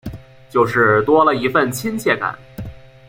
就是多了一分亲切感